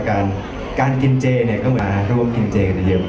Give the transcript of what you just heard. ก็ไม่มีคนกลับมาหรือเปล่า